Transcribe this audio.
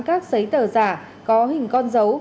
các giấy tờ giả có hình con dấu